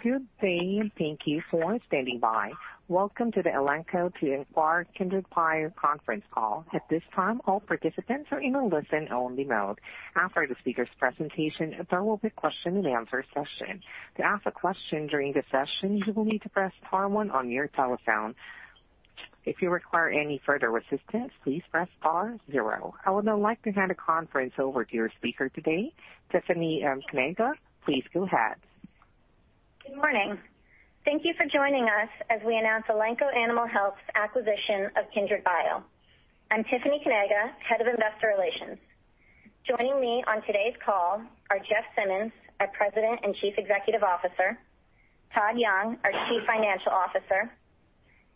Good day, and thank you for standing by. Welcome to the Elanco to acquire KindredBio conference call. At this time all participants are in only listen mode. After the speakers presentations there will question and answer session. To ask a question during this session, you need to press star one on your telephone. If you require any further assistants, please press star zero. I would now like to hand the conference over to your speaker today, Tiffany Kanaga. Please go ahead. Good morning. Thank you for joining us as we announce Elanco Animal Health's acquisition of KindredBio. I'm Tiffany Kanaga, Head of Investor Relations. Joining me on today's call are Jeff Simmons, our President and Chief Executive Officer, Todd Young, our Chief Financial Officer,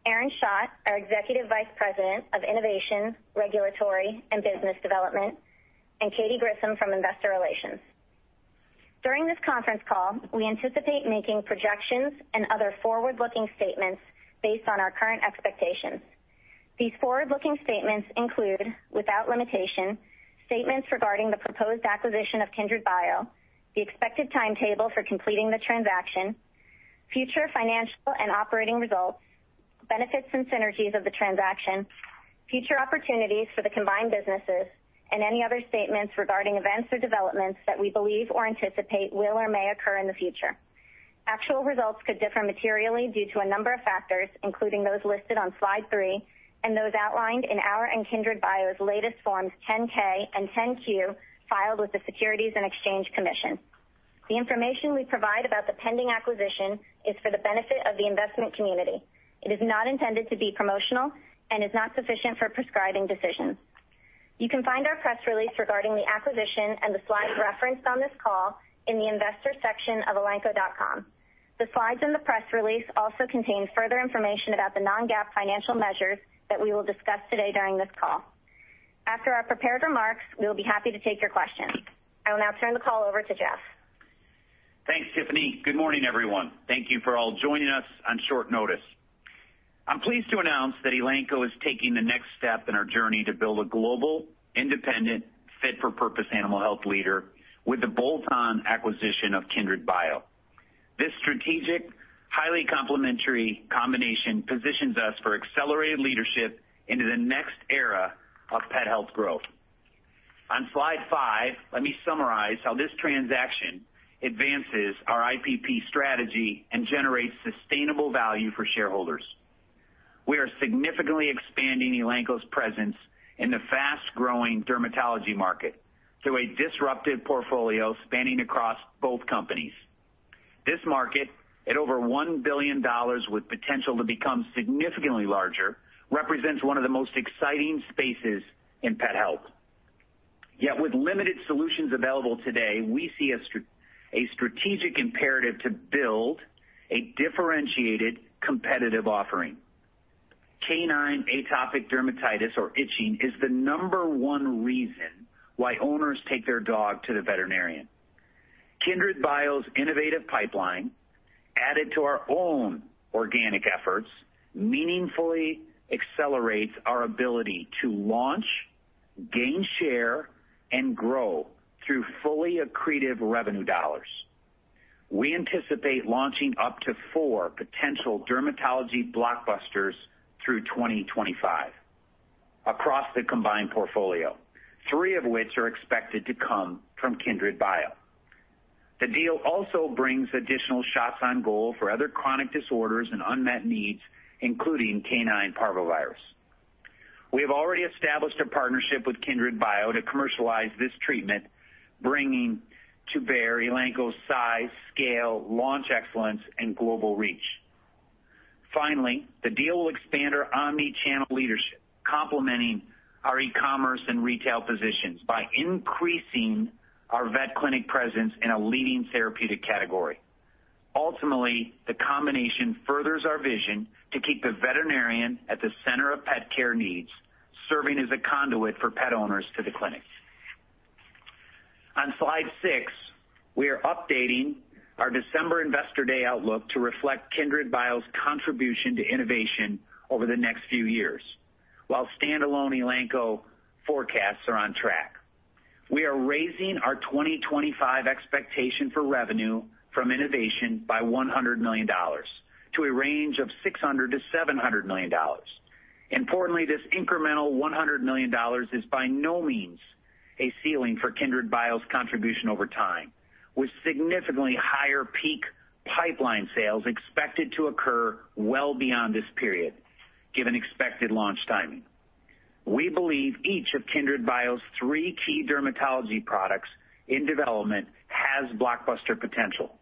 Aaron Schacht, our Executive Vice President of Innovation, Regulatory, and Business Development, and Katy Grissom from Investor Relations. During this conference call, we anticipate making projections and other forward-looking statements based on our current expectations. These forward-looking statements include, without limitation, statements regarding the proposed acquisition of KindredBio, the expected timetable for completing the transaction, future financial and operating results, benefits and synergies of the transaction, future opportunities for the combined businesses, and any other statements regarding events or developments that we believe or anticipate will or may occur in the future. Actual results could differ materially due to a number of factors, including those listed on slide three and those outlined in our and KindredBio's latest Forms 10-K and 10-Q filed with the Securities and Exchange Commission. The information we provide about the pending acquisition is for the benefit of the investment community. It is not intended to be promotional and is not sufficient for prescribing decisions. You can find our press release regarding the acquisition and the slides referenced on this call in the investor section of elanco.com. The slides and the press release also contain further information about the non-GAAP financial measures that we will discuss today during this call. After our prepared remarks, we will be happy to take your questions. I will now turn the call over to Jeff. Thanks, Tiffany. Good morning, everyone. Thank you for all joining us on short notice. I'm pleased to announce that Elanco is taking the next step in our journey to build a global, independent, fit-for-purpose animal health leader with the bolt-on acquisition of KindredBio. This strategic, highly complementary combination positions us for accelerated leadership into the next era of pet health growth. On slide five, let me summarize how this transaction advances our IPP strategy and generates sustainable value for shareholders. We are significantly expanding Elanco's presence in the fast-growing dermatology market through a disruptive portfolio spanning across both companies. This market, at over $1 billion with potential to become significantly larger, represents one of the most exciting spaces in pet health. Yet with limited solutions available today, we see a strategic imperative to build a differentiated competitive offering. Canine atopic dermatitis or itching is the number one reason why owners take their dog to the veterinarian. KindredBio's innovative pipeline, added to our own organic efforts, meaningfully accelerates our ability to launch, gain share, and grow through fully accretive revenue dollars. We anticipate launching up to four potential dermatology blockbusters through 2025 across the combined portfolio, three of which are expected to come from KindredBio. The deal also brings additional shots on goal for other chronic disorders and unmet needs, including canine parvovirus. We have already established a partnership with KindredBio to commercialize this treatment, bringing to bear Elanco's size, scale, launch excellence, and global reach. The deal will expand our omni-channel leadership, complementing our e-commerce and retail positions by increasing our vet clinic presence in a leading therapeutic category. Ultimately, the combination furthers our vision to keep the veterinarian at the center of pet care needs, serving as a conduit for pet owners to the clinics. On slide six, we are updating our December Investor Day outlook to reflect KindredBio's contribution to innovation over the next few years. While standalone Elanco forecasts are on track. We are raising our 2025 expectation for revenue from innovation by $100 million to a range of $600 million-$700 million. Importantly, this incremental $100 million is by no means a ceiling for KindredBio's contribution over time, with significantly higher peak pipeline sales expected to occur well beyond this period, given expected launch timing. We believe each of KindredBio's three key dermatology products in development has blockbuster potential,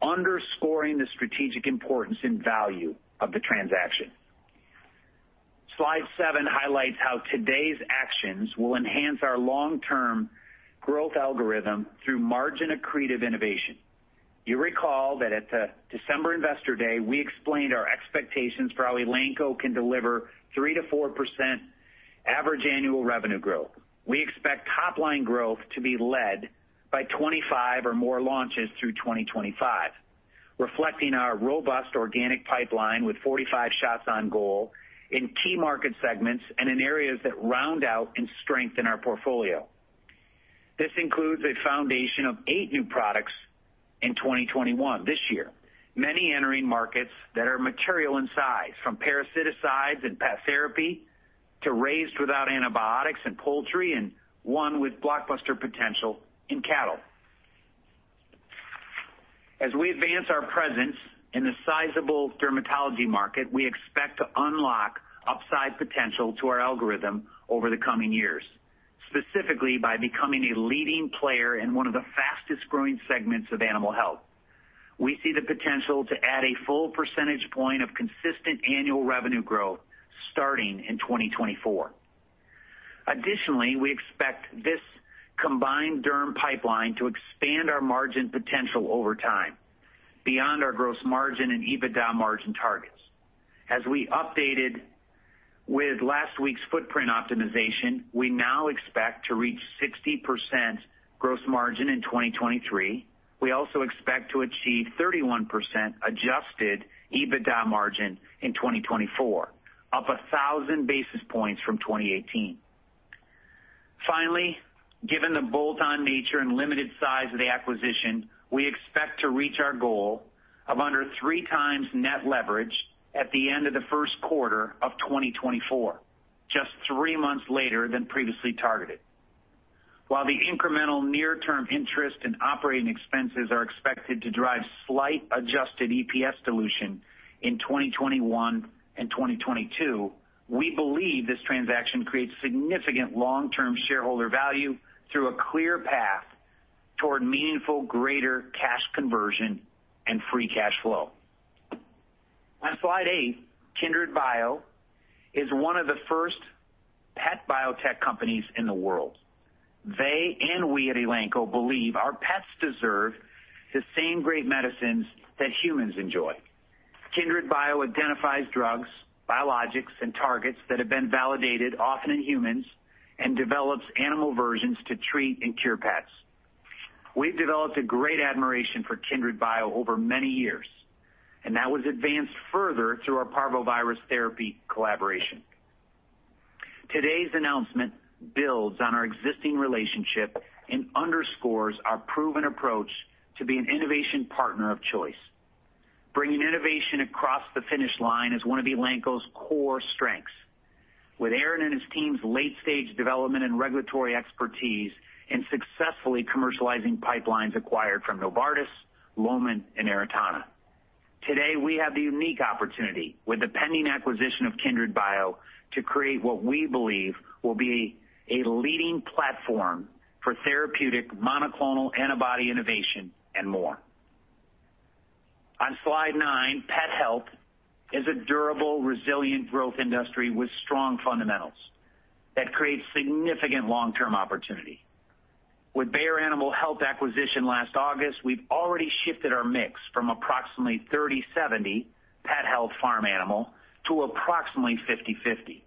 underscoring the strategic importance and value of the transaction. Slide seven highlights how today's actions will enhance our long-term growth algorithm through margin-accretive innovation. You recall that at the December Investor Day, we explained our expectations for how Elanco can deliver 3%-4% average annual revenue growth. We expect top-line growth to be led by 25 or more launches through 2025, reflecting our robust organic pipeline with 45 shots on goal in key market segments and in areas that round out and strengthen our portfolio. This includes a foundation of eight new products in 2021, this year. Many entering markets that are material in size, from parasiticides and pet therapy to raised without antibiotics and poultry, and one with blockbuster potential in cattle. As we advance our presence in the sizable dermatology market, we expect to unlock upside potential to our algorithm over the coming years, specifically by becoming a leading player in one of the fastest-growing segments of animal health. We see the potential to add a full percentage point of consistent annual revenue growth starting in 2024. Additionally, we expect this combined derm pipeline to expand our margin potential over time beyond our gross margin and EBITDA margin targets. As we updated with last week's footprint optimization, we now expect to reach 60% gross margin in 2023. We also expect to achieve 31% adjusted EBITDA margin in 2024, up 1,000 basis points from 2018. Finally, given the bolt-on nature and limited size of the acquisition, we expect to reach our goal of under 3x net leverage at the end of the first quarter of 2024, just three months later than previously targeted. While the incremental near-term interest and operating expenses are expected to drive slight adjusted EPS dilution in 2021 and 2022, we believe this transaction creates significant long-term shareholder value through a clear path toward meaningful greater cash conversion and free cash flow. On slide eight, KindredBio is one of the first pet biotech companies in the world. They and we at Elanco believe our pets deserve the same great medicines that humans enjoy. KindredBio identifies drugs, biologics, and targets that have been validated, often in humans, and develops animal versions to treat and cure pets. We've developed a great admiration for KindredBio over many years, and that was advanced further through our parvovirus therapy collaboration. Today's announcement builds on our existing relationship and underscores our proven approach to be an innovation partner of choice. Bringing innovation across the finish line is one of Elanco's core strengths. With Aaron Schacht and his team's late-stage development and regulatory expertise in successfully commercializing pipelines acquired from Novartis, Lohmann, and Aratana. Today, we have the unique opportunity with the pending acquisition of KindredBio to create what we believe will be a leading platform for therapeutic monoclonal antibody innovation and more. On slide nine, pet health is a durable, resilient growth industry with strong fundamentals that creates significant long-term opportunity. With Bayer Animal Health acquisition last August, we've already shifted our mix from approximately 30/70 pet health/farm animal to approximately 50/50.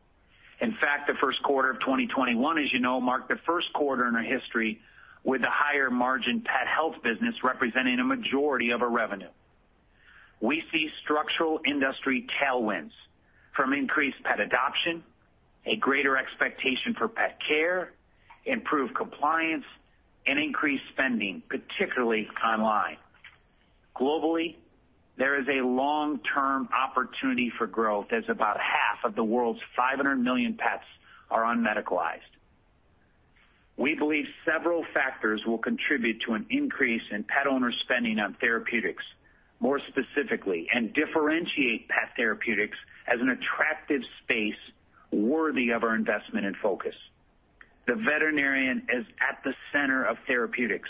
In fact, the first quarter of 2021, as you know, marked the first quarter in our history with the higher margin pet health business representing a majority of our revenue. We see structural industry tailwinds from increased pet adoption, a greater expectation for pet care, improved compliance, and increased spending, particularly online. Globally, there is a long-term opportunity for growth as about half of the world's 500 million pets are unmedicalized. We believe several factors will contribute to an increase in pet owner spending on therapeutics, more specifically, and differentiate pet therapeutics as an attractive space worthy of our investment and focus. The veterinarian is at the center of therapeutics,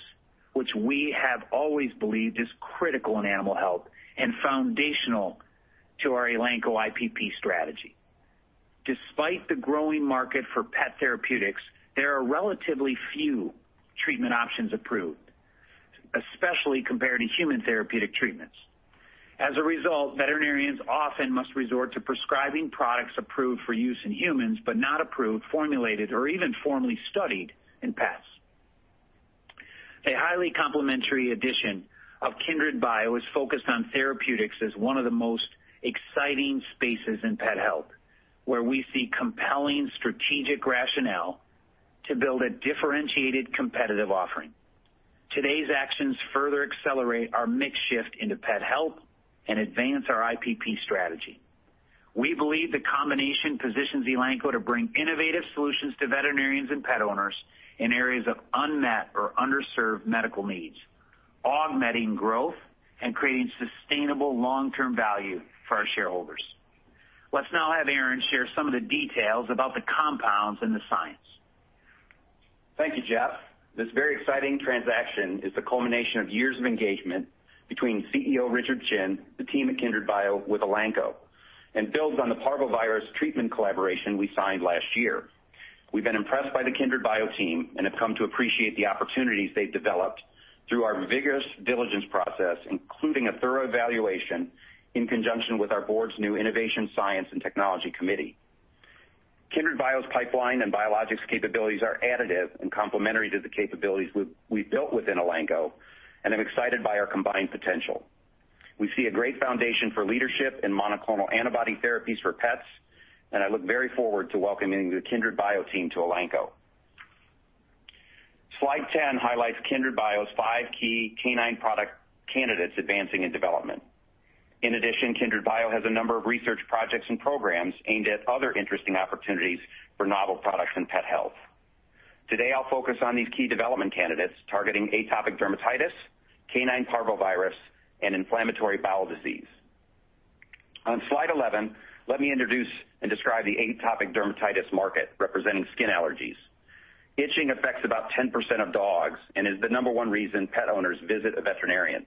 which we have always believed is critical in animal health and foundational to our Elanco IPP strategy. Despite the growing market for pet therapeutics, there are relatively few treatment options approved, especially compared to human therapeutic treatments. As a result, veterinarians often must resort to prescribing products approved for use in humans, but not approved, formulated, or even formally studied in pets. A highly complementary addition of KindredBio is focused on therapeutics as one of the most exciting spaces in pet health, where we see compelling strategic rationale to build a differentiated competitive offering. Today's actions further accelerate our mix shift into pet health and advance our IPP strategy. We believe the combination positions Elanco to bring innovative solutions to veterinarians and pet owners in areas of unmet or underserved medical needs, augmenting growth and creating sustainable long-term value for our shareholders. Let's now have Aaron share some of the details about the compounds and the science. Thank you, Jeff. This very exciting transaction is the culmination of years of engagement between CEO Richard Chin, the team at KindredBio with Elanco, and builds on the parvovirus treatment collaboration we signed last year. We've been impressed by the KindredBio team and have come to appreciate the opportunities they've developed through our vigorous diligence process, including a thorough evaluation in conjunction with our board's new Innovation, Science and Technology Committee. KindredBio's pipeline and biologics capabilities are additive and complementary to the capabilities we've built within Elanco, and I'm excited by our combined potential. We see a great foundation for leadership in monoclonal antibody therapies for pets, and I look very forward to welcoming the KindredBio team to Elanco. Slide 10 highlights KindredBio's five key canine product candidates advancing in development. In addition, KindredBio has a number of research projects and programs aimed at other interesting opportunities for novel products in pet health. Today, I'll focus on these key development candidates targeting atopic dermatitis, canine parvovirus, and inflammatory bowel disease. On slide 11, let me introduce and describe the atopic dermatitis market representing skin allergies. Itching affects about 10% of dogs and is the number one reason pet owners visit a veterinarian.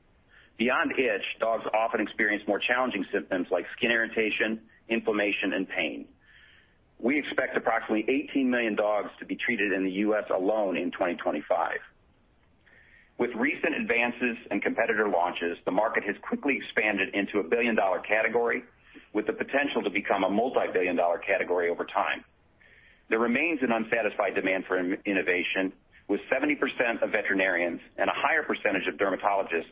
Beyond itch, dogs often experience more challenging symptoms like skin irritation, inflammation, and pain. We expect approximately 18 million dogs to be treated in the U.S. alone in 2025. With recent advances in competitor launches, the market has quickly expanded into a billion-dollar category with the potential to become a multi-billion-dollar category over time. There remains an unsatisfied demand for innovation, with 70% of veterinarians and a higher percentage of dermatologists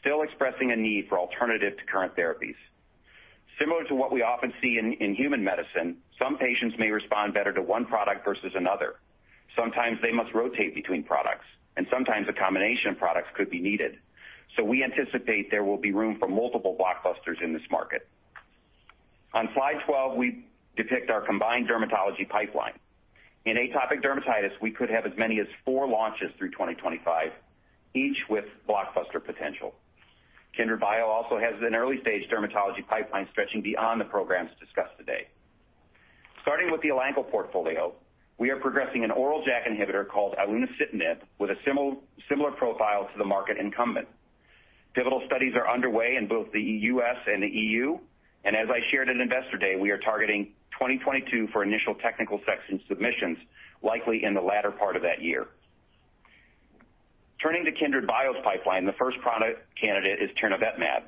still expressing a need for alternative to current therapies. Similar to what we often see in human medicine, some patients may respond better to one product versus another. Sometimes they must rotate between products, and sometimes a combination of products could be needed. We anticipate there will be room for multiple blockbusters in this market. On slide 12, we depict our combined dermatology pipeline. In atopic dermatitis, we could have as many as four launches through 2025, each with blockbuster potential. KindredBio also has an early-stage dermatology pipeline stretching beyond the programs discussed today. Starting with the Elanco portfolio, we are progressing an oral JAK inhibitor called ilunocitinib with a similar profile to the market incumbent. Pivotal studies are underway in both the U.S. and the EU, and as I shared at Investor Day, we are targeting 2022 for initial technical section submissions, likely in the latter part of that year. Turning to KindredBio's pipeline, the first product candidate is tirnovetmab.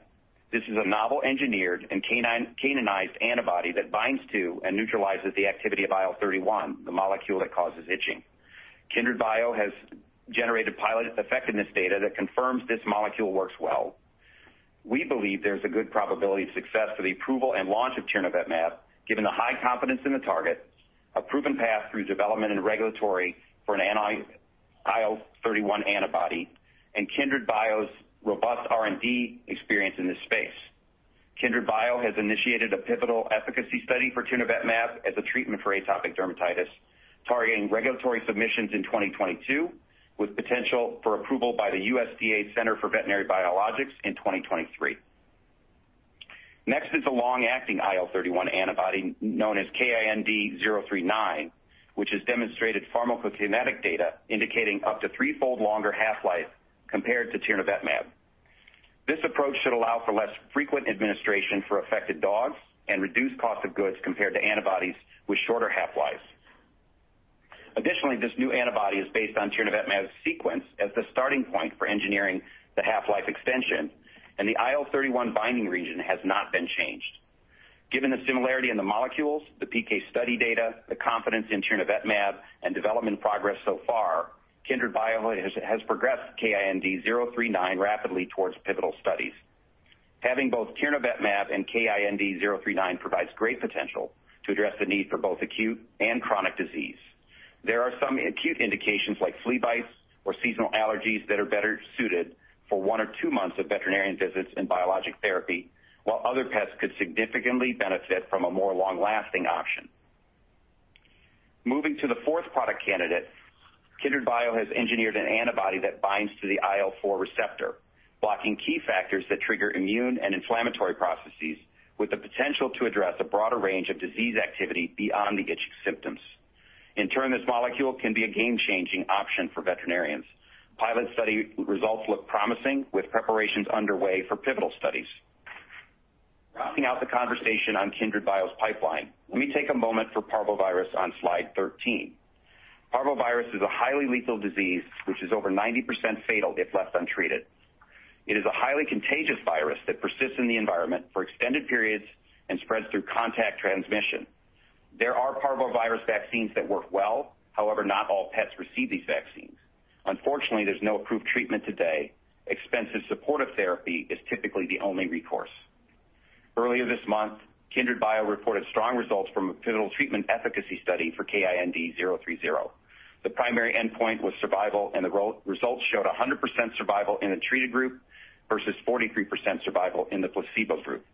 This is a novel engineered and caninized antibody that binds to and neutralizes the activity of IL-31, the molecule that causes itching. KindredBio has generated pilot effectiveness data that confirms this molecule works well. We believe there's a good probability of success for the approval and launch of tirnovetmab, given the high confidence in the target, a proven path through development and regulatory for an IL-31 antibody, and KindredBio's robust R&D experience in this space. KindredBio has initiated a pivotal efficacy study for tirnovetmab as a treatment for atopic dermatitis, targeting regulatory submissions in 2022 with potential for approval by the USDA Center for Veterinary Biologics in 2023. Next is the long-acting IL-31 antibody known as KIND-039, which has demonstrated pharmacokinetic data indicating up to three-fold longer half-life compared to tirnovetmab. This approach should allow for less frequent administration for affected dogs and reduced cost of goods compared to antibodies with shorter half-lives. Additionally, this new antibody is based on tirnovetmab's sequence as the starting point for engineering the half-life extension, and the IL-31 binding region has not been changed. Given the similarity in the molecules, the PK study data, the confidence in tirnovetmab, and development progress so far, KindredBio has progressed KIND-039 rapidly towards pivotal studies. Having both tirnovetmab and KIND-039 provides great potential to address the need for both acute and chronic disease. There are some acute indications like flea bites or seasonal allergies that are better suited for one or two months of veterinarian visits and biologic therapy, while other pets could significantly benefit from a more long-lasting option. Moving to the fourth product candidate, KindredBio has engineered an antibody that binds to the IL-4 receptor, blocking key factors that trigger immune and inflammatory processes with the potential to address a broader range of disease activity beyond the itching symptoms. In turn, this molecule can be a game-changing option for veterinarians. Pilot study results look promising, with preparations underway for pivotal studies. Rounding out the conversation on KindredBio's pipeline, let me take a moment for parvovirus on slide 13. Parvovirus is a highly lethal disease which is over 90% fatal if left untreated. It is a highly contagious virus that persists in the environment for extended periods and spreads through contact transmission. There are parvovirus vaccines that work well. Not all pets receive these vaccines. There's no approved treatment today. Expensive supportive therapy is typically the only recourse. Earlier this month, KindredBio reported strong results from a pivotal treatment efficacy study for KIND-030. The primary endpoint was survival, the results showed 100% survival in the treated group versus 43% survival in the placebos group.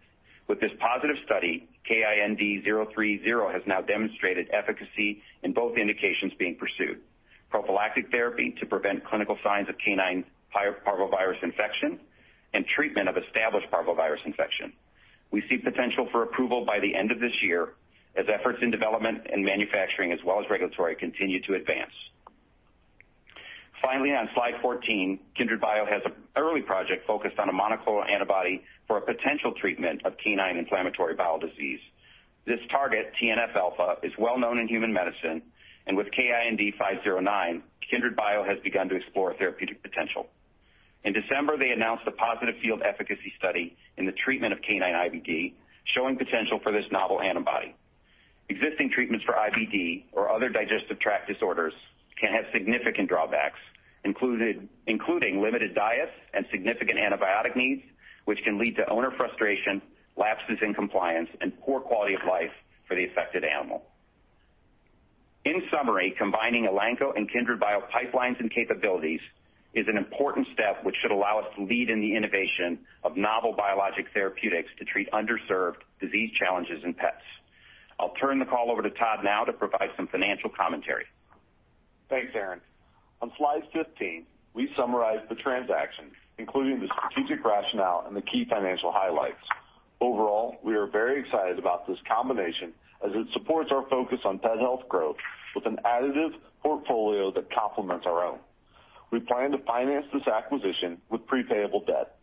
With this positive study, KIND-030 has now demonstrated efficacy in both indications being pursued, prophylactic therapy to prevent clinical signs of canine parvovirus infection and treatment of established parvovirus infection. We see potential for approval by the end of this year as efforts in development and manufacturing as well as regulatory continue to advance. On slide 14, KindredBio has an early project focused on a monoclonal antibody for a potential treatment of canine inflammatory bowel disease. This target, TNF-alpha, is well-known in human medicine, and with KIND-509, KindredBio has begun to explore therapeutic potential. In December, they announced a positive field efficacy study in the treatment of canine IBD, showing potential for this novel antibody. Existing treatments for IBD or other digestive tract disorders can have significant drawbacks, including limited diets and significant antibiotic needs, which can lead to owner frustration, lapses in compliance, and poor quality of life for the affected animal. In summary, combining Elanco and KindredBio pipelines and capabilities is an important step which should allow us to lead in the innovation of novel biologic therapeutics to treat underserved disease challenges in pets. I'll turn the call over to Todd now to provide some financial commentary. Thanks, Aaron. On slide 15, we summarize the transaction, including the strategic rationale and the key financial highlights. Overall, we are very excited about this combination as it supports our focus on pet health growth with an additive portfolio that complements our own. We plan to finance this acquisition with pre-payable debt.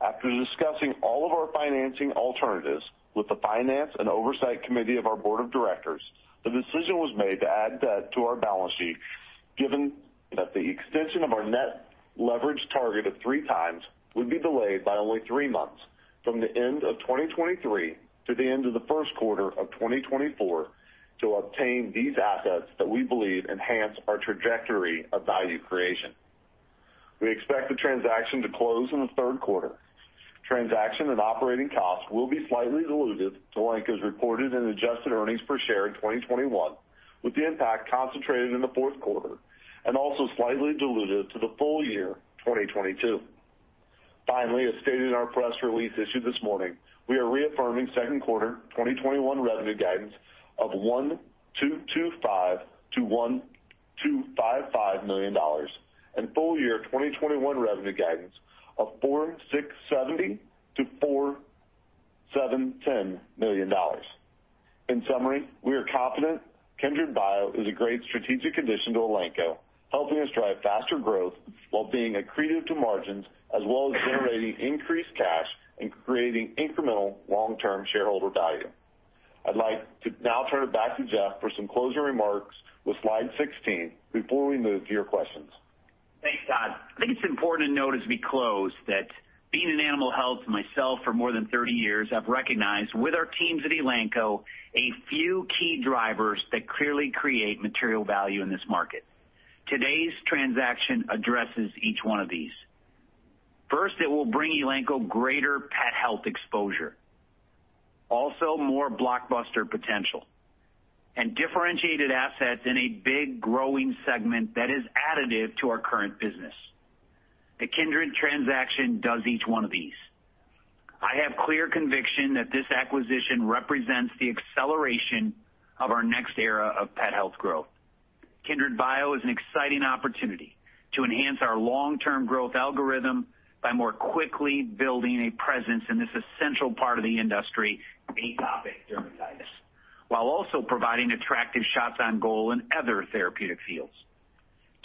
After discussing all of our financing alternatives with the Finance, Strategy and Oversight Committee of our Board of Directors, the decision was made to add debt to our balance sheet, given that the extension of our net leverage target of three times would be delayed by only three months from the end of 2023 to the end of the first quarter of 2024 to obtain these assets that we believe enhance our trajectory of value creation. We expect the transaction to close in the third quarter. Transaction and operating costs will be slightly dilutive to Elanco's reported and adjusted earnings per share in 2021 with the impact concentrated in the fourth quarter and also slightly dilutive to the full year 2022. Finally, as stated in our press release issued this morning, we are reaffirming second quarter 2021 revenue guidance of $1.225 million-$1.255 million and full year 2021 revenue guidance of $4.670 million-$4.710 million. In summary, we are confident KindredBio is a great strategic addition to Elanco, helping us drive faster growth while being accretive to margins as well as generating increased cash and creating incremental long-term shareholder value. I'd like to now turn it back to Jeff for some closing remarks with slide 16 before we move to your questions. Thanks, Todd. I think it's important to note as we close that being in animal health myself for more than 30 years, I've recognized with our teams at Elanco a few key drivers that clearly create material value in this market. Today's transaction addresses each one of these. First, it will bring Elanco greater pet health exposure, also more blockbuster potential, and differentiated assets in a big growing segment that is additive to our current business. The Kindred transaction does each one of these. I have clear conviction that this acquisition represents the acceleration of our next era of pet health growth. KindredBio is an exciting opportunity to enhance our long-term growth algorithm by more quickly building a presence in this essential part of the industry, atopic dermatitis, while also providing attractive shots on goal in other therapeutic fields.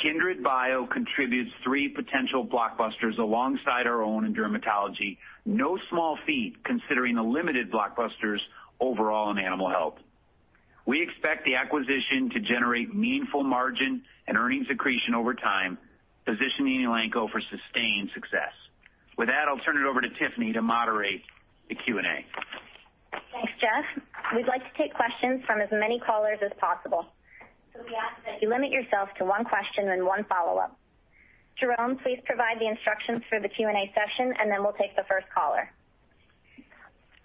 KindredBio contributes three potential blockbusters alongside our own in dermatology. No small feat considering the limited blockbusters overall in animal health. We expect the acquisition to generate meaningful margin and earnings accretion over time, positioning Elanco for sustained success. With that, I'll turn it over to Tiffany to moderate the Q&A. Thanks, Jeff. We'd like to take questions from as many callers as possible. We ask that you limit yourself to one question then one follow-up. Jerome, please provide the instructions for the Q&A session, and then we'll take the first caller.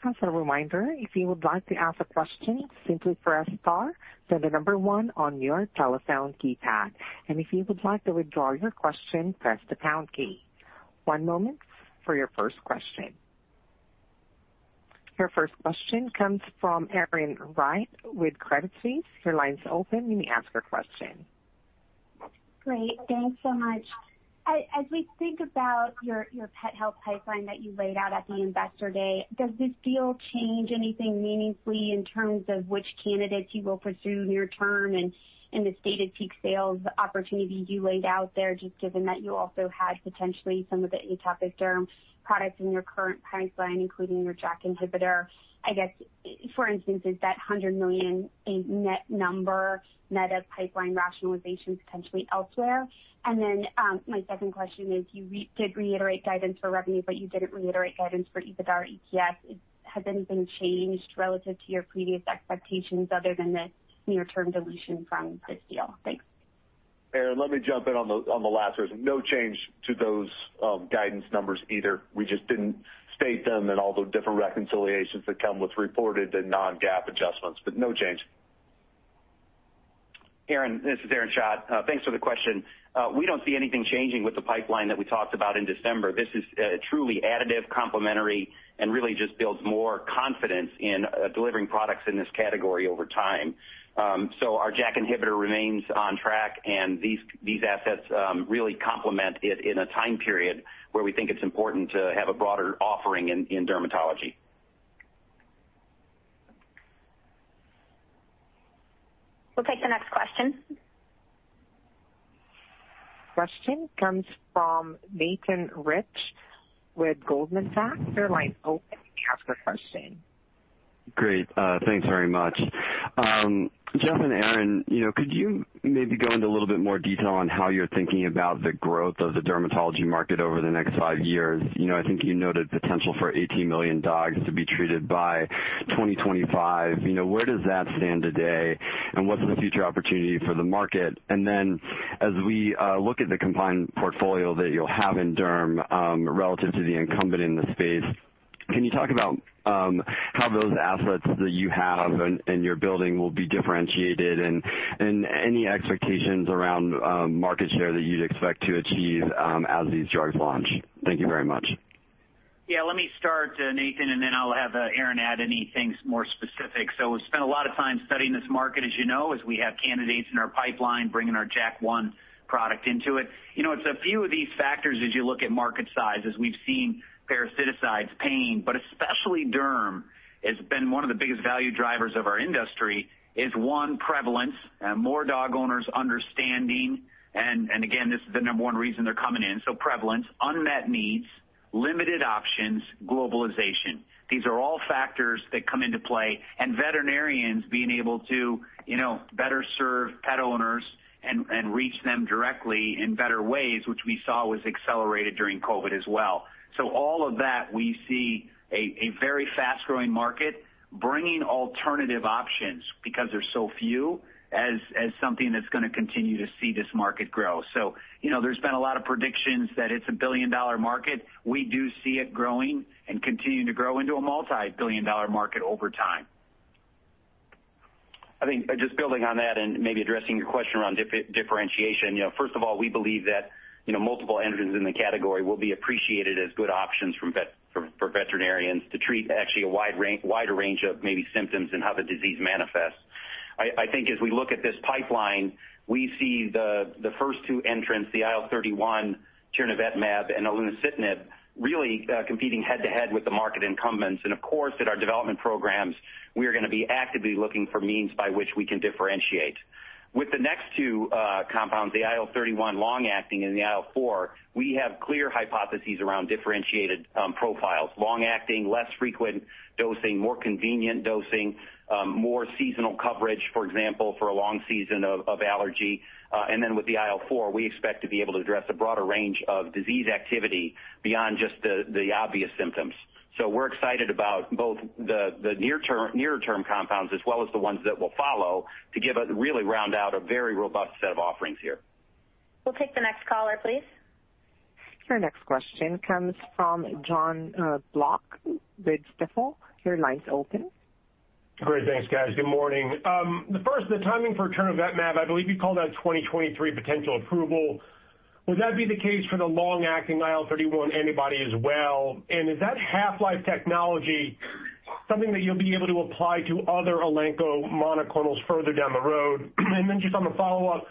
As a reminder, if you would like to ask a question, simply press star, then the number one on your telephone keypad. And if you would like to withdraw your question, press the pound key. One moment for your first question. Your first question comes from Erin Wright with Credit Suisse. Your line's open. You may ask your question. Great. Thanks so much. As we think about your pet health pipeline that you laid out at the investor day, does this deal change anything meaningfully in terms of which candidates you will pursue near-term and the stated peak sales opportunity you laid out there, just given that you also had potentially some of the atopic dermatitis products in your current pipeline, including your JAK inhibitor? I guess, for instance, is that $100 million a net number net of pipeline rationalizations potentially elsewhere? My second question is you did reiterate guidance for revenue, but you didn't reiterate guidance for EBITDA or EPS. Has anything changed relative to your previous expectations other than the near-term dilution from this deal? Thanks. Erin, let me jump in on the last. There is no change to those guidance numbers either. We just didn't state them and all the different reconciliations that come with reported and non-GAAP adjustments, but no change. Erin, this is Aaron Schacht. Thanks for the question. We don't see anything changing with the pipeline that we talked about in December. This is truly additive, complementary, and really just builds more confidence in delivering products in this category over time. Our JAK inhibitor remains on track and these assets really complement it in a time period where we think it's important to have a broader offering in dermatology. We'll take the next question. Question comes from Nathan Rich with Goldman Sachs. Your line's open. You can ask your question. Great. Thanks very much. Jeff and Aaron, could you maybe go into a little bit more detail on how you're thinking about the growth of the dermatology market over the next five years? I think you noted potential for 18 million dogs to be treated by 2025. Where does that stand today, and what's the future opportunity for the market? As we look at the combined portfolio that you'll have in derm relative to the incumbent in the space, can you talk about how those assets that you have and you're building will be differentiated and any expectations around market share that you'd expect to achieve as these drugs launch? Thank you very much. Let me start, Nathan, and then I'll have Aaron add anything more specific. We've spent a lot of time studying this market, as you know, as we have candidates in our pipeline bringing our JAK1 product into it. It's a few of these factors as you look at market size, as we've seen parasiticides, pain, but especially derm has been one of the biggest value drivers of our industry is, one, prevalence and more dog owners understanding, and again, this has been the number one reason they're coming in. Prevalence, unmet needs, limited options, globalization. These are all factors that come into play and veterinarians being able to better serve pet owners and reach them directly in better ways, which we saw was accelerated during COVID as well. All of that, we see a very fast-growing market bringing alternative options because there's so few as something that's going to continue to see this market grow. There's been a lot of predictions that it's a billion-dollar market. We do see it growing and continuing to grow into a multi-billion-dollar market over time. I think just building on that and maybe addressing your question around differentiation. First of all, we believe that multiple entrants in the category will be appreciated as good options for veterinarians to treat actually a wider range of maybe symptoms and how the disease manifests. I think as we look at this pipeline, we see the first two entrants, the IL-31, tirnovetmab, and ilunocitinib really competing head to head with the market incumbents. Of course, at our development programs, we are going to be actively looking for means by which we can differentiate. With the next two compounds, the IL-31 long-acting and the IL-4, we have clear hypotheses around differentiated profiles, long-acting, less frequent dosing, more convenient dosing, more seasonal coverage, for example, for a long season of allergy. With the IL-4, we expect to be able to address a broader range of disease activity beyond just the obvious symptoms. We're excited about both the near-term compounds as well as the ones that will follow to really round out a very robust set of offerings here. We'll take the next caller, please. Your next question comes from John Block, BofAML. Your line is open. Great. Thanks, guys. Good morning. First, the timing for tirnovetmab, I believe you called out 2023 potential approval. Will that be the case for the long-acting IL-31 antibody as well? Is that half-life technology something that you'll be able to apply to other Elanco monoclonals further down the road? Just on a follow-up,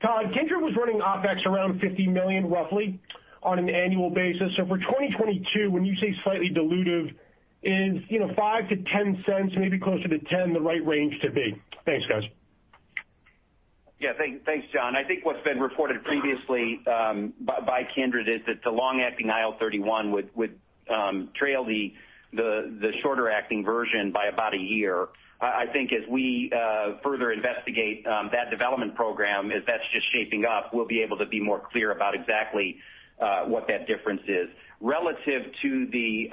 Todd, Kindred was running OpEx around $50 million roughly on an annual basis. For 2022, when you say slightly dilutive, is $0.05-$0.10, maybe closer to $0.10, the right range to be? Thanks, guys. Yeah. Thanks, John. I think what's been reported previously by Kindred is that the long-acting IL-31 would trail the shorter-acting version by about a year. I think as we further investigate that development program, as that's just shaping up, we'll be able to be more clear about exactly what that difference is. Relative to the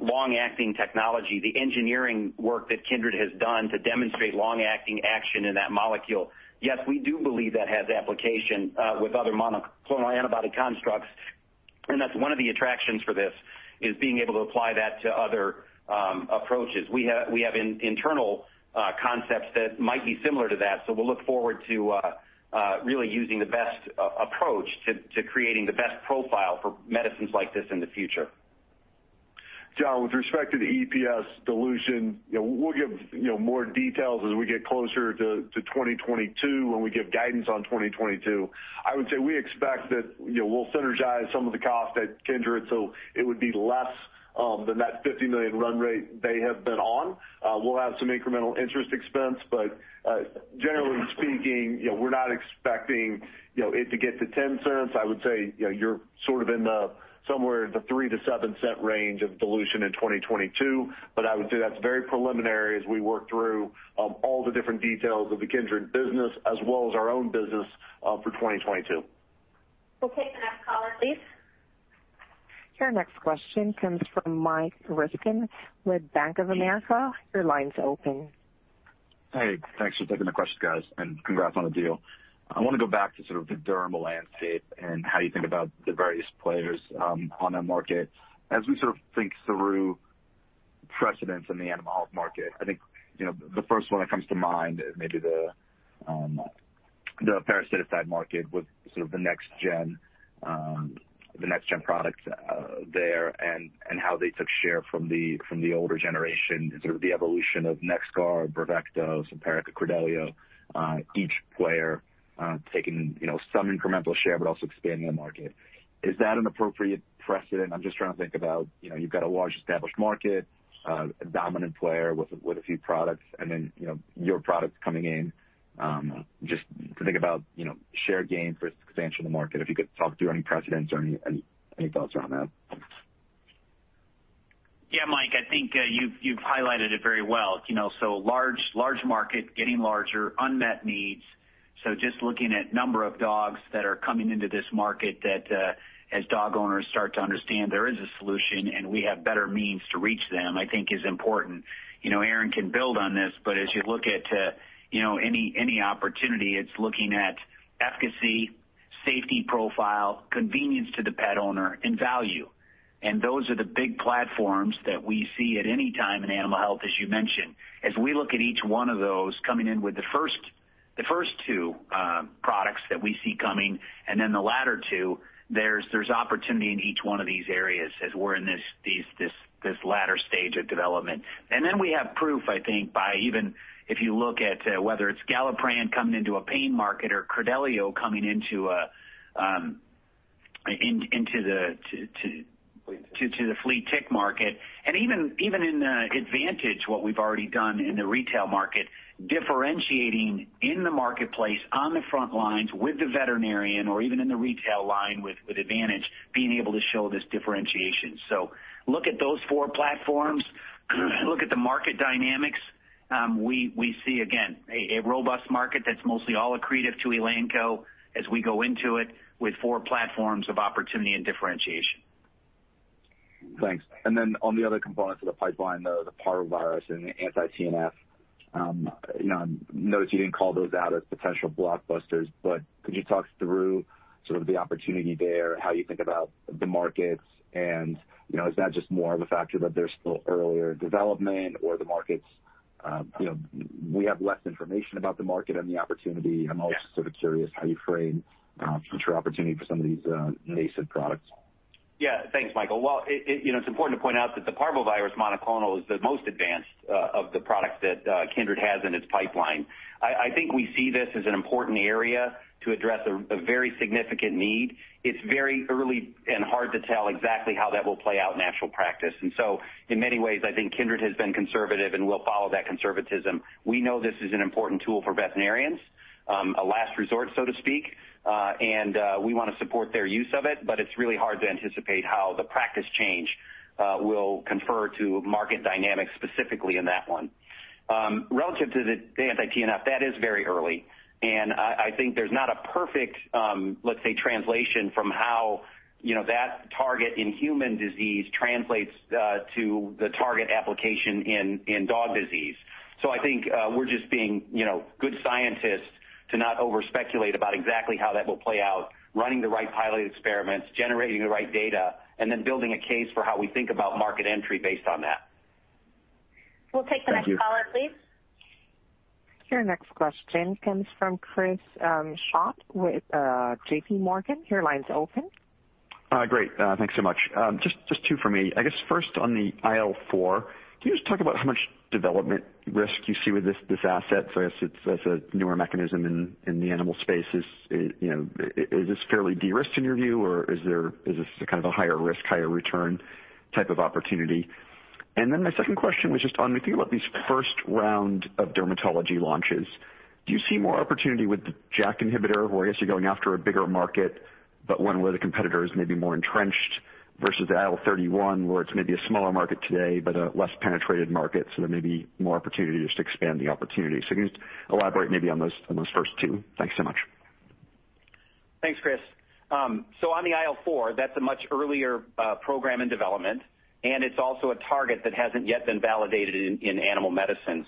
long-acting technology, the engineering work that Kindred has done to demonstrate long-acting action in that molecule, yes, we do believe that has application with other monoclonal antibody constructs, and that's one of the attractions for this is being able to apply that to other approaches. We have internal concepts that might be similar to that. We look forward to really using the best approach to creating the best profile for medicines like this in the future. John, with respect to the EPS dilution, we'll give more details as we get closer to 2022 when we give guidance on 2022. I would say we expect that we'll synergize some of the costs at Kindred, so it would be less than that $50 million run rate they have been on. We'll have some incremental interest expense, but generally speaking, we're not expecting it to get to $0.10. I would say you're sort of in the somewhere in the $0.03-$0.07 range of dilution in 2022. But I would say that's very preliminary as we work through all the different details of the Kindred business as well as our own business for 2022. We'll take the next caller, please. Your next question comes from Mike Ryskin with Bank of America. Hey, thanks for taking the question, guys, and congrats on the deal. I want to go back to sort of the derm landscape and how you think about the various players on the market. As we sort of think through precedents in the animal health market, I think the first one that comes to mind may be the parasiticide market with sort of the next-gen products there and how they took share from the older generation through the evolution of NexGard and Bravecto. Bravecto, Credelio, each player taking some incremental share but also expanding the market. Is that an appropriate precedent? I'm just trying to think about you've got a large established market, a dominant player with a few products, and then your products coming in. Just thinking about share gain versus expansion of the market, if you could talk through any precedents or any thoughts around that. Yeah, Mike, I think you've highlighted it very well. Large market getting larger, unmet needs. Just looking at number of dogs that are coming into this market that as dog owners start to understand there is a solution and we have better means to reach them, I think is important. Aaron can build on this, as you look at any opportunity, it's looking at efficacy, safety profile, convenience to the pet owner, and value. Those are the big platforms that we see at any time in animal health, as you mentioned. As we look at each one of those coming in with the first two products that we see coming and then the latter two, there's opportunity in each one of these areas as we're in this latter stage of development. We have proof, I think, by even if you look at whether it's Galliprant coming into a pain market or Credelio coming into the flea and tick market, even in the Advantage, what we've already done in the retail market, differentiating in the marketplace on the front lines with the veterinarian or even in the retail line with Advantage, being able to show this differentiation. Look at those four platforms, look at the market dynamics. We see, again, a robust market that's mostly all accretive to Elanco as we go into it with four platforms of opportunity and differentiation. Thanks. On the other components of the pipeline, the parvovirus and the anti-TNF, I know that you didn't call those out as potential blockbusters, but could you talk through sort of the opportunity there, how you think about the markets and is that just more of a factor that they're still earlier in development or the markets, we have less information about the market and the opportunity? Yes. I'm also sort of curious how you frame future opportunity for some of these nascent products. Thanks, Michael. It's important to point out that the parvovirus monoclonal is the most advanced of the products that Kindred has in its pipeline. I think we see this as an important area to address a very significant need. It's very early and hard to tell exactly how that will play out in actual practice. In many ways, I think Kindred has been conservative, and we'll follow that conservatism. We know this is an important tool for veterinarians, a last resort, so to speak, and we want to support their use of it's really hard to anticipate how the practice change will confer to market dynamics specifically in that one. Relative to the anti-TNF, that is very early, I think there's not a perfect, let's say, translation from how that target in human disease translates to the target application in dog disease. I think we're just being good scientists to not over-speculate about exactly how that will play out, running the right pilot experiments, generating the right data, and then building a case for how we think about market entry based on that. We'll take the next caller, please. Your next question comes from Chris Schott with JPMorgan. Your line's open. Great. Thanks so much. Just two from me. I guess first on the IL-4, can you just talk about how much development risk you see with this asset versus as a newer mechanism in the animal space? Is this fairly de-risked in your view, or is this a kind of a higher risk, higher return type of opportunity? My second question was just on if you look at these first round of dermatology launches, do you see more opportunity with the JAK inhibitor, where obviously you're going after a bigger market, but one where the competitor is maybe more entrenched versus the IL-31, where it's maybe a smaller market today, but a less penetrated market, so there may be more opportunity just to expand the opportunity. Can you just elaborate maybe on those first two? Thanks so much. Thanks, Chris Schott. On the IL-4, that's a much earlier program in development, and it's also a target that hasn't yet been validated in animal medicine.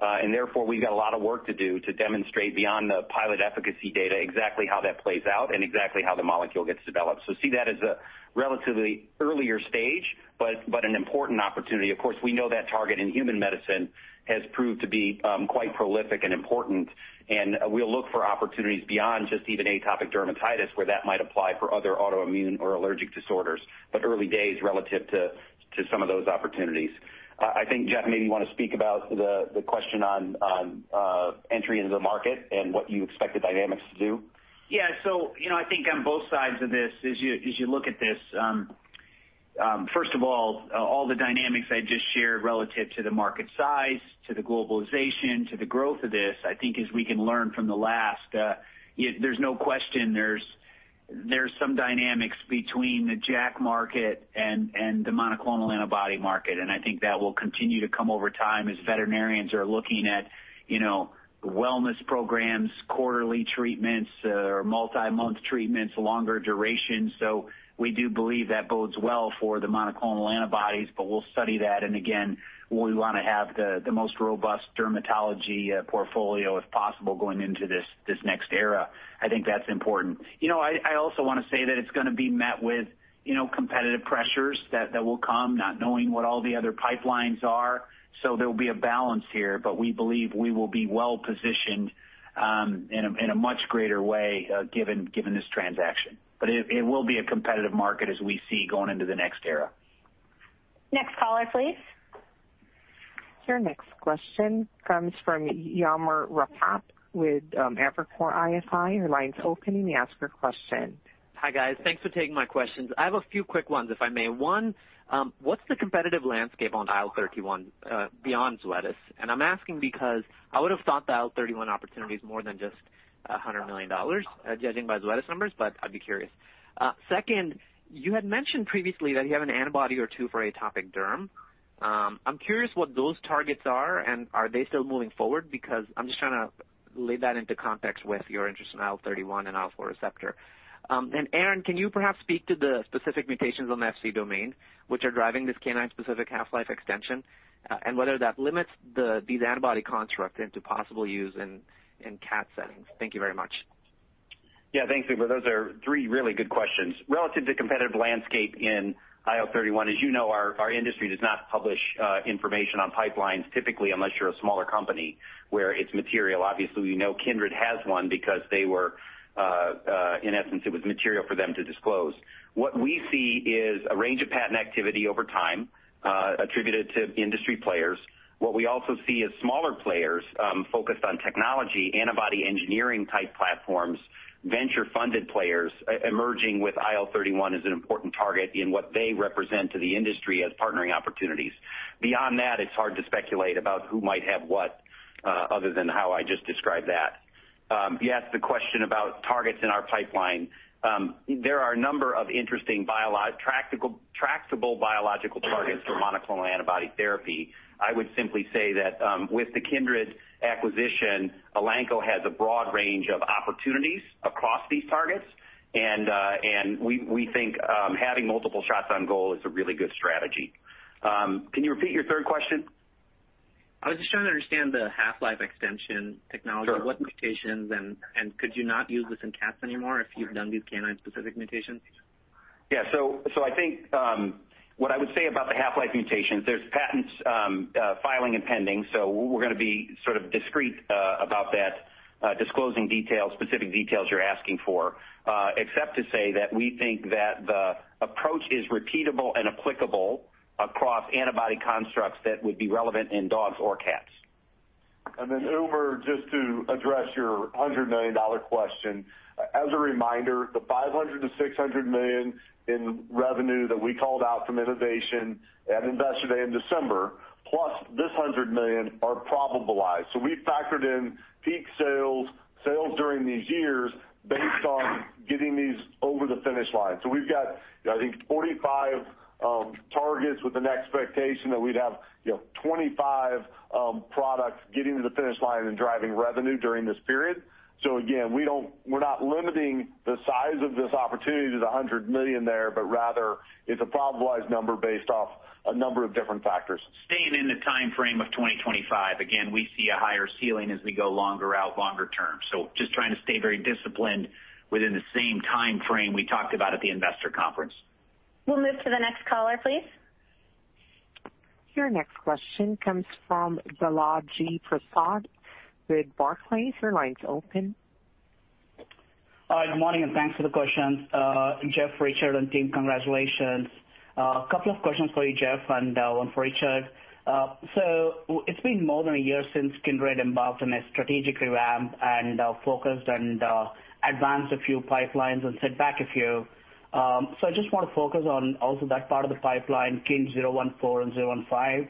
Therefore, we've got a lot of work to do to demonstrate beyond the pilot efficacy data exactly how that plays out and exactly how the molecule gets developed. See that as a relatively earlier stage, but an important opportunity. Of course, we know that target in human medicine has proved to be quite prolific and important, and we'll look for opportunities beyond just even atopic dermatitis, where that might apply for other autoimmune or allergic disorders, but early days relative to some of those opportunities. I think, Jeff, maybe you want to speak about the question on entry into the market and what you expect the dynamics to do. I think on both sides of this, as you look at this, first of all the dynamics I just shared relative to the market size, to the globalization, to the growth of this, I think as we can learn from Apoquel, there's no question there's some dynamics between the JAK market and the monoclonal antibody market, and I think that will continue to come over time as veterinarians are looking at wellness programs, quarterly treatments or multi-month treatments, longer duration. We do believe that bodes well for the monoclonal antibodies, but we'll study that, and again, we want to have the most robust dermatology portfolio as possible going into this next era. I think that's important. I also want to say that it's going to be met with competitive pressures that will come, not knowing what all the other pipelines are. There'll be a balance here, but we believe we will be well-positioned in a much greater way given this transaction. It will be a competitive market as we see going into the next era. Next caller, please. Your next question comes from Umer Raffat with Evercore ISI. Your line is open. You may ask your question. Hi, guys. Thanks for taking my questions. I have a few quick ones, if I may. One, what's the competitive landscape on IL-31 beyond Zoetis? I'm asking because I would've thought the IL-31 opportunity is more than just $100 million, judging by Zoetis numbers, but I'd be curious. Second, you had mentioned previously that you have an antibody or two for atopic dermatitis. I'm curious what those targets are and are they still moving forward because I'm just trying to lay that into context with your interest in IL-31 and IL-4 receptor. Aaron, can you perhaps speak to the specific mutations on the Fc domain, which are driving this canine-specific half-life extension, and whether that limits these antibody constructs into possible use in cat settings? Thank you very much. Yeah, thanks. Those are three really good questions. Relative to competitive landscape in IL-31, as you know, our industry does not publish information on pipelines typically unless you're a smaller company where it's material. Obviously, we know Kindred has one because in essence, it was material for them to disclose. What we see is a range of patent activity over time attributed to industry players. What we also see is smaller players focused on technology, antibody engineering-type platforms, venture-funded players emerging with IL-31 as an important target in what they represent to the industry as partnering opportunities. Beyond that, it's hard to speculate about who might have what other than how I just described that. You asked the question about targets in our pipeline. There are a number of interesting tractable biological targets for monoclonal antibody therapy. I would simply say that with the Kindred acquisition, Elanco has a broad range of opportunities across these targets and we think having multiple shots on goal is a really good strategy. Can you repeat your third question? I was just trying to understand the half-life extension technology, what mutations and could you not use this in cats anymore if you've done these canine-specific mutations? Yeah. I think what I would say about the half-life mutations, there's patents filing and pending, so we're going to be sort of discreet about that disclosing specific details you're asking for, except to say that we think that the approach is repeatable and applicable across antibody constructs that would be relevant in dogs or cats. Then over just to address your $100 million question, as a reminder, the $500 million-$600 million in revenue that we called out from innovation at Investor Day in December, plus this $100 million are probabilized. We factored in peak sales during these years based on getting these over the finish line. We've got I think 45 targets with an expectation that we'd have 25 products getting to the finish line and driving revenue during this period. Again, we're not limiting the size of this opportunity to the $100 million there, but rather it's a probabilized number based off a number of different factors. Staying in the timeframe of 2025, again, we see a higher ceiling as we go longer out, longer term. Just trying to stay very disciplined within the same timeframe we talked about at the investor conference. We'll move to the next caller, please. Your next question comes from Balaji Prasad with Barclays. Your line is open. Good morning, and thanks for the questions. Jeff, Richard and team, congratulations. A couple of questions for you, Jeff, and one for Richard. It's been more than a year since Kindred embarked on a strategic ramp and focused and advanced a few pipelines and set back a few. I just want to focus on also that part of the pipeline, KIND-014 and 015.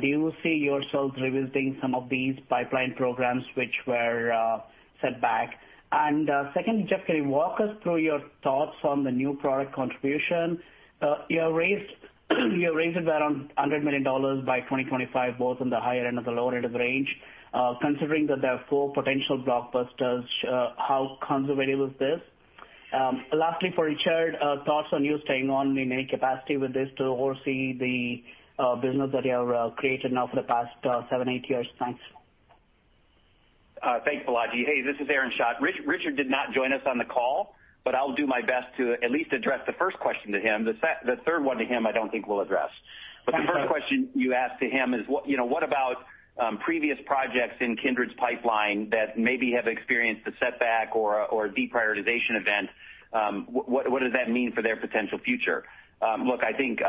Do you see yourselves revisiting some of these pipeline programs which were set back? Second, Jeff, can you walk us through your thoughts on the new product contribution? You raised around $100 million by 2025, both on the higher end of the lower end of the range. Considering that there are four potential blockbusters, how conservative is this? Lastly for Richard, thoughts on you staying on in any capacity with this to oversee the business that you have created now for the past seven, eight years? Thanks. Thanks, Balaji. Hey, this is Aaron Schacht. Richard did not join us on the call, but I'll do my best to at least address the first question to him. The third one to him I don't think we'll address. The first question you asked to him is what about previous projects in Kindred's pipeline that maybe have experienced a setback or deprioritization event? What does that mean for their potential future? Look, I think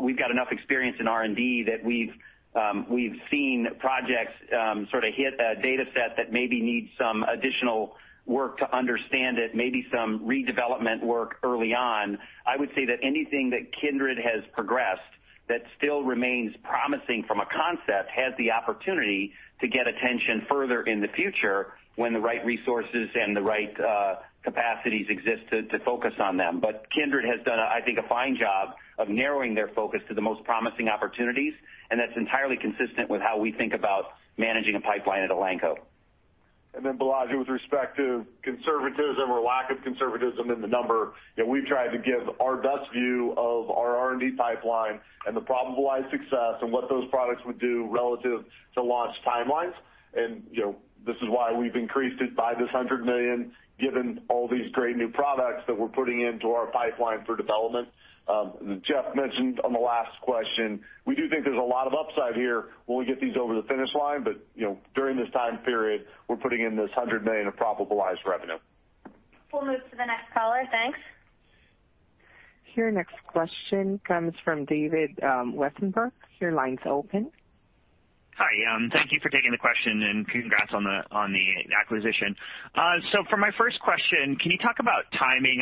we've got enough experience in R&D that we've seen projects sort of hit a data set that maybe needs some additional work to understand it, maybe some redevelopment work early on. I would say that anything that Kindred has progressed that still remains promising from a concept has the opportunity to get attention further in the future when the right resources and the right capacities exist to focus on them. Kindred has done I think a fine job of narrowing their focus to the most promising opportunities, and that's entirely consistent with how we think about managing a pipeline at Elanco. Balaji, with respect to conservatism or lack of conservatism in the number, we tried to give our best view of our R&D pipeline and the probabilized success and what those products would do relative to launch timelines. This is why we've increased it by this $100 million given all these great new products that we're putting into our pipeline for development. As Jeff mentioned on the last question, we do think there's a lot of upside here when we get these over the finish line, but during this time period, we're putting in this $100 million of probabilized revenue. We'll move to the next caller. Thanks. Your next question comes from David Westenberg. Your line's open. Hi. Thank you for taking the question and congrats on the acquisition. For my first question, can you talk about timing?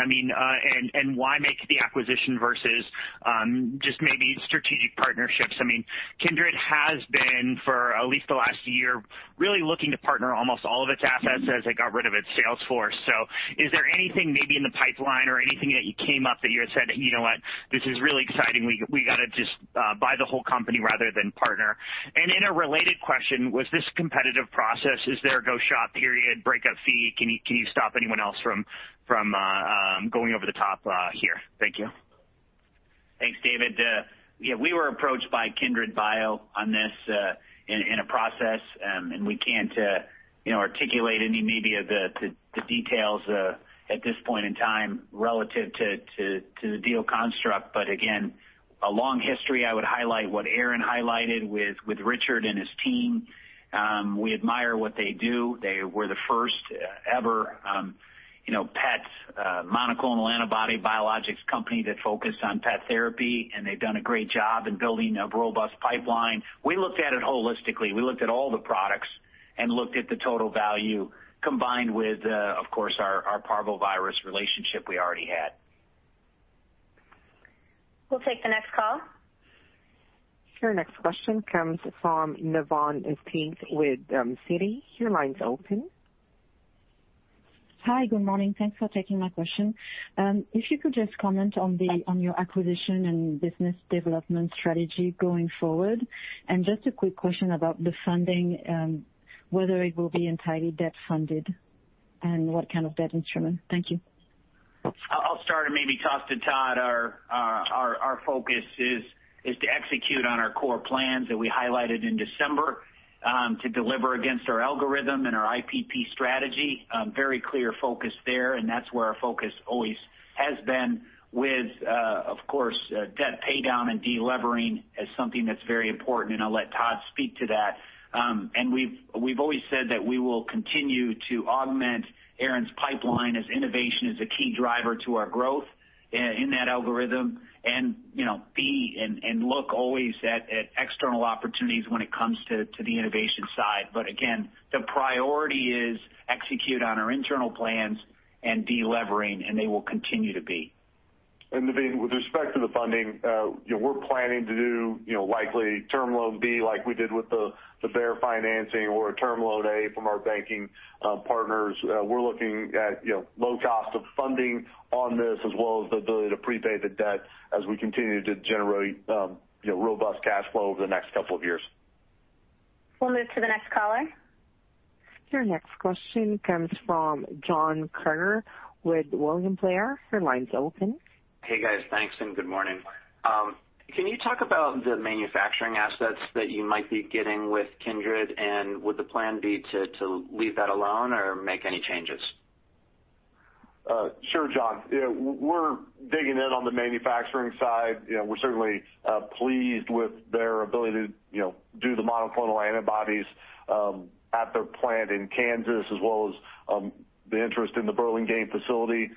Why make the acquisition versus just maybe strategic partnerships? Kindred has been, for at least the last year, really looking to partner almost all of its assets as it got rid of its sales force. Is there anything maybe in the pipeline or anything that came up that you had said, "You know what? This is really exciting. We got to just buy the whole company rather than partner." In a related question, was this a competitive process? Is there a go-shop period, breakup fee? Can you stop anyone else from going over the top here? Thank you. Thanks, David. Yeah, we were approached by KindredBio on this in a process. We can't articulate any of the details at this point in time relative to the deal construct. Again, a long history, I would highlight what Aaron highlighted with Richard and his team. We admire what they do. They were the first ever pet monoclonal antibody biologics company that focused on pet therapy, and they've done a great job in building a robust pipeline. We looked at it holistically. We looked at all the products and looked at the total value combined with, of course, our parvovirus relationship we already had. We'll take the next call. Your next question comes from Navann Ty with Citi. Your line's open. Hi. Good morning. Thanks for taking my question. If you could just comment on your acquisition and business development strategy going forward. Just a quick question about the funding, whether it will be entirely debt-funded and what kind of debt instrument. Thank you. I'll start and maybe toss to Todd. Our focus is to execute on our core plans that we highlighted in December to deliver against our algorithm and our IPP strategy. Very clear focus there, and that's where our focus always has been with, of course, debt paydown and de-levering as something that's very important, and I'll let Todd speak to that. We've always said that we will continue to augment Aaron's pipeline as innovation is a key driver to our growth in that algorithm and look always at external opportunities when it comes to the innovation side. Again, the priority is execute on our internal plans and de-levering, and they will continue to be. Navann, with respect to the funding, we're planning to do likely term loan B like we did with the Bayer financing or a term loan A from our banking partners. We're looking at low cost of funding on this as well as the ability to prepay the debt as we continue to generate robust cash flow over the next couple of years. We'll move to the next caller. Your next question comes from Jon Kaufman with William Blair. Your line's open. Hey, guys. Thanks, and good morning. Can you talk about the manufacturing assets that you might be getting with Kindred? Would the plan be to leave that alone or make any changes? Sure, Jon. We're digging in on the manufacturing side. We're certainly pleased with their ability to do the monoclonal antibodies at their plant in Kansas, as well as the interest in the Burlingame facility.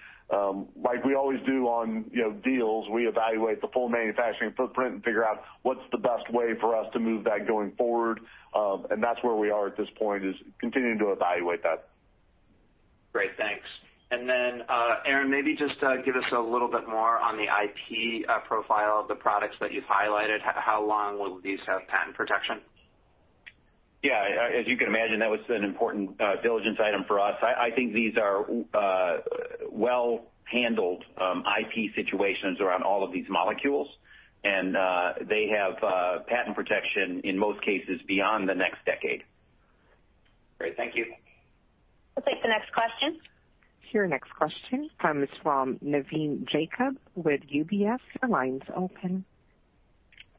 Like we always do on deals, we evaluate the full manufacturing footprint and figure out what's the best way for us to move that going forward. That's where we are at this point, is continuing to evaluate that. Great. Thanks. Aaron, maybe just give us a little bit more on the IP profile of the products that you've highlighted. How long will these have patent protection? Yeah. As you can imagine, that was an important diligence item for us. I think these are well-handled IP situations around all of these molecules, and they have patent protection in most cases beyond the next decade. Great. Thank you. We'll take the next question. Your next question comes from Navin Jacob with UBS. Your line is open.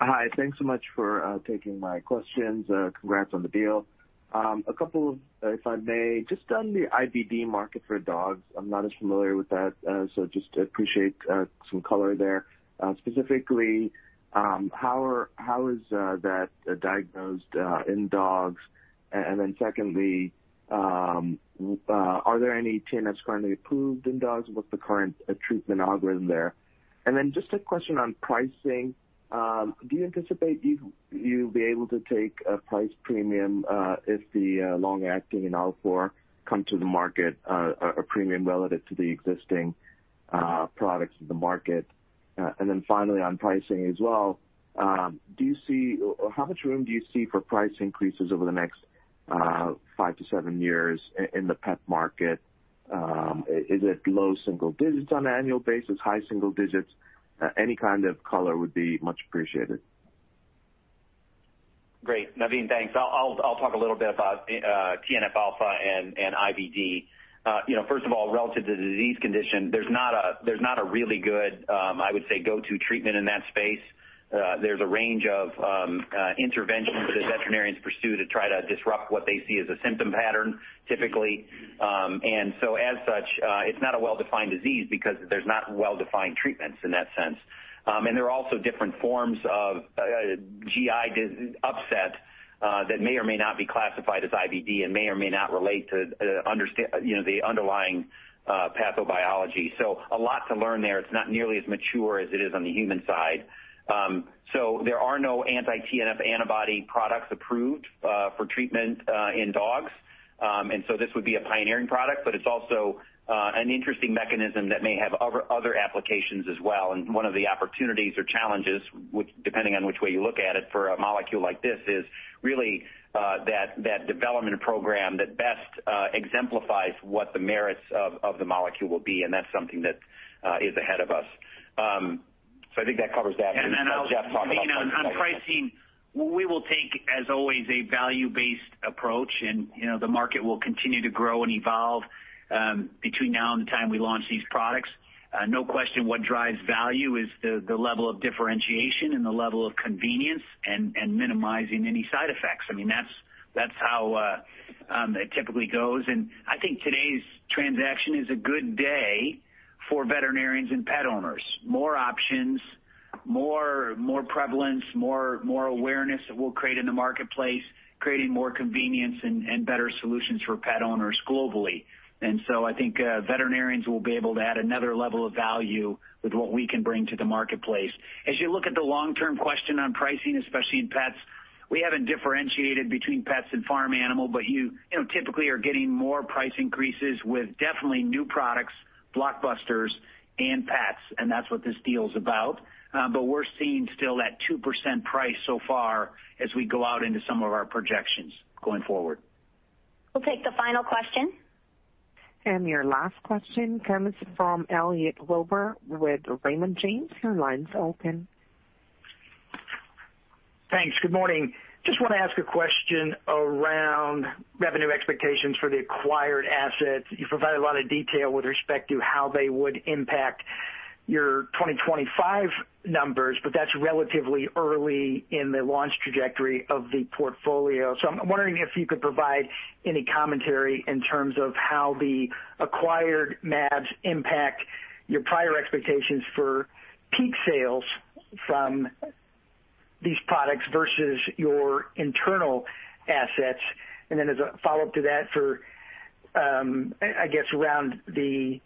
Hi. Thanks so much for taking my questions. Congrats on the deal. A couple of, if I may, just on the IBD market for dogs, I'm not as familiar with that, so just appreciate some color there. Specifically, how is that diagnosed in dogs? Secondly, are there any TNF currently approved in dogs? What's the current treatment algorithm there? Just a question on pricing. Do you anticipate you'll be able to take a price premium if the long-acting and IL-4 come to the market, a premium relative to the existing products in the market? Finally on pricing as well, how much room do you see for price increases over the next five to seven years in the pet market? Is it low single digits on an annual basis, high single digits? Any kind of color would be much appreciated. Great, Navin. Thanks. I'll talk a little bit about TNF-alpha and IBD. First of all, relative to the disease condition, there's not a really good, I would say, go-to treatment in that space. There's a range of interventions that veterinarians pursue to try to disrupt what they see as a symptom pattern, typically. As such, it's not a well-defined disease because there's not well-defined treatments in that sense. There are also different forms of GI upset that may or may not be classified as IBD and may or may not relate to the underlying pathobiology. A lot to learn there. It's not nearly as mature as it is on the human side. There are no anti-TNF antibody products approved for treatment in dogs. This would be a pioneering product, but it's also an interesting mechanism that may have other applications as well. One of the opportunities or challenges, depending on which way you look at it for a molecule like this, is really that development program that best exemplifies what the merits of the molecule will be, and that's something that is ahead of us. I think that covers that. Then, Jeff, on pricing. On pricing, we will take, as always, a value-based approach, and the market will continue to grow and evolve between now and the time we launch these products. No question what drives value is the level of differentiation and the level of convenience and minimizing any side effects. That's how it typically goes, and I think today's transaction is a good day for veterinarians and pet owners. More options, more prevalence, more awareness that we'll create in the marketplace, creating more convenience and better solutions for pet owners globally. I think veterinarians will be able to add another level of value with what we can bring to the marketplace. As you look at the long-term question on pricing, especially in pets, we haven't differentiated between pets and farm animal, but you typically are getting more price increases with definitely new products, blockbusters, and pets, and that's what this deal is about. We're seeing still that 2% price so far as we go out into some of our projections going forward. We'll take the final question. Your last question comes from Elliot Wilbur with Raymond James. Your line's open. Thanks. Good morning. Just want to ask a question around revenue expectations for the acquired assets. You provide a lot of detail with respect to how they would impact your 2025 numbers, but that's relatively early in the launch trajectory of the portfolio. I'm wondering if you could provide any commentary in terms of how the acquired MAbs impact your prior expectations for peak sales from these products versus your internal assets. As a follow-up to that for, I guess, around the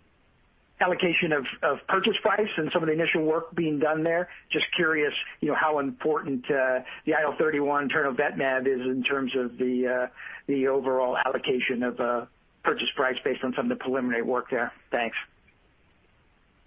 allocation of purchase price and some of the initial work being done there, just curious how important the IL-31 internal vet MAb is in terms of the overall allocation of the purchase price based on some of the preliminary work there. Thanks.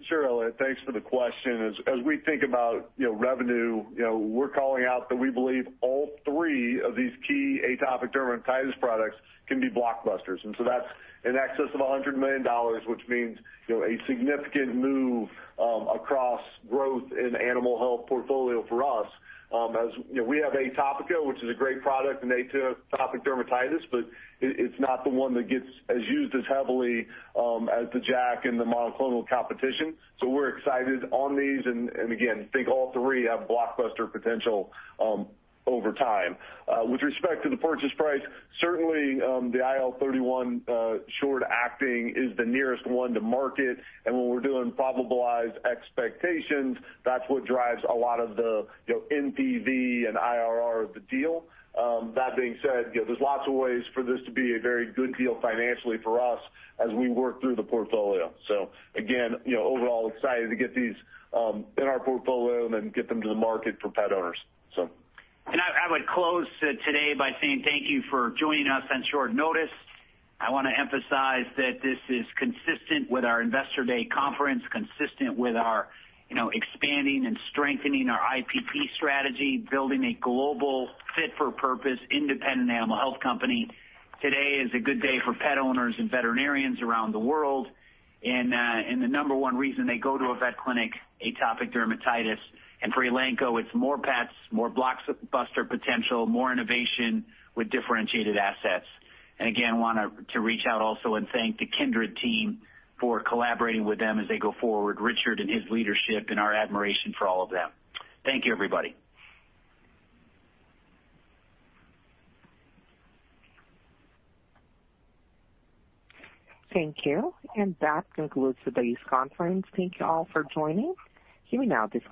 Sure. Thanks for the question. As we think about revenue, we are calling out that we believe all three of these key atopic dermatitis products can be blockbusters. That is in excess of $100 million, which means a significant move across growth in animal health portfolio for us. As we have Atopica, which is a great product in atopic dermatitis, but it is not the one that gets as used as heavily as the JAK and the monoclonal competition. We are excited on these, and again, think all three have blockbuster potential over time. With respect to the purchase price, certainly the IL-31 short-acting is the nearest one to market, and when we are doing probabilized expectations, that is what drives a lot of the NPV and IRR of the deal. That being said, there's lots of ways for this to be a very good deal financially for us as we work through the portfolio. Again, overall excited to get these in our portfolio and then get them to the market for pet owners. I would close today by saying thank you for joining us on short notice. I want to emphasize that this is consistent with our Investor Day conference, consistent with our expanding and strengthening our IPP strategy, building a global fit-for-purpose independent animal health company. Today is a good day for pet owners and veterinarians around the world. The number one reason they go to a vet clinic, atopic dermatitis. For Elanco, it's more pets, more blockbuster potential, more innovation with differentiated assets. Again, want to reach out also and thank the Kindred team for collaborating with them as they go forward, Richard and his leadership, and our admiration for all of them. Thank you, everybody. Thank you. That concludes today's conference. Thank you all for joining. You may now disconnect.